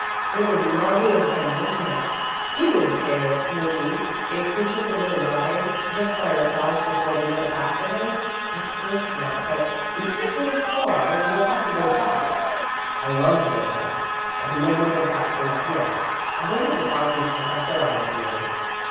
It was lovely of him, wasn't it? He wouldn't care, would he, if we took a little ride just by ourselves before we went back for him?" "Of course not, but we can't go far and we'll have to go fast." "I love to go fast. I've never been fast enough yet. I wonder if the Crosbys have got their automobile?"